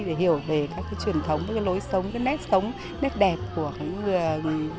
để hiểu về các cái truyền thống các cái lối sống các cái nét sống nét đẹp của người việt nam chúng ta